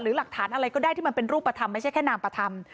หลักฐานอะไรก็ได้ที่มันเป็นรูปธรรมไม่ใช่แค่นามปธรรม